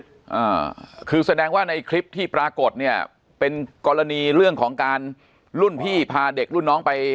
อ่าคือแสดงว่าในคลิปที่ปรากฏเนี่ยเป็นกรณีเรื่องของการรุ่นพี่พาเด็กรุ่นน้องไป